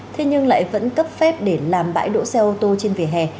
thế nhưng lại vẫn cấp phép để làm bãi đỗ xe ô tô trên vỉa hè